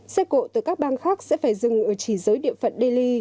xe cộ từ các bang khác sẽ phải dừng ở chỉ giới địa phận delhi